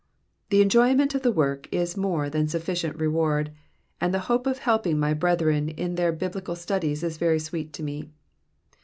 The enjoyment of the work is more than sufficient reward, and the hope of helping my brethren in their biblical studies is very sweet to me.